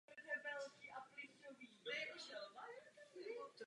Texty písní byly pochopitelně v češtině.